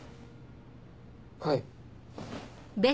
はい。